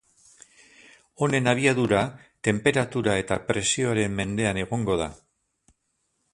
Honen abiadura, tenperatura eta presioaren mendean egongo da.